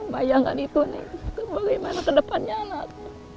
bayangkan itu nih bagaimana ke depannya anak